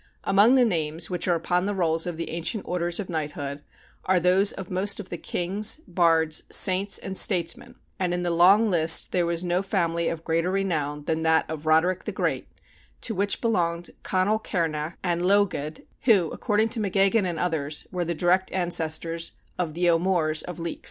Among the names which are upon the rolls of the ancient orders of knighthood are those of most of the kings, bards, saints, and statesmen, and in the long list there was no family of greater renown than that of Roderick the Great, to which belonged Conall Cearnach and Lugaidh, who, according to MacGeoghegan and others, were the direct ancestors of the O'Mores of Leix.